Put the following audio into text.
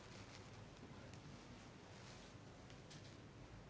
はい。